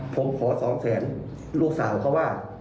ผมขอสองแสนลูกสาวเขาว่า